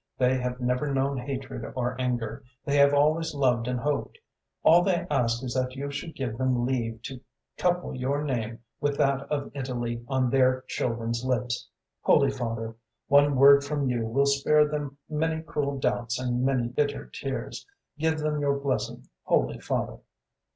They have never known hatred or anger; they have always loved and hoped; all they ask is that you should give them leave to couple your name with that of Italy on their children's lips. Holy Father, one word from you will spare them many cruel doubts and many bitter tears. Give them your blessing, Holy Father!"